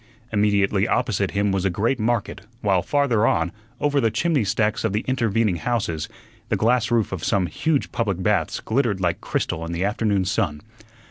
Immediately opposite him was a great market; while farther on, over the chimney stacks of the intervening houses, the glass roof of some huge public baths glittered like crystal in the afternoon sun.